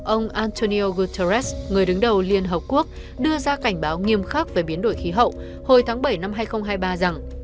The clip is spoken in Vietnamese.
ông antonio guterres người đứng đầu liên hợp quốc đưa ra cảnh báo nghiêm khắc về biến đổi khí hậu hồi tháng bảy năm hai nghìn hai mươi ba rằng